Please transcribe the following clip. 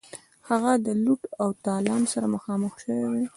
هغه د لوټ او تالان سره مخامخ شوی وای.